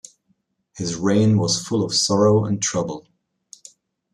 His reign was full of sorrow and trouble.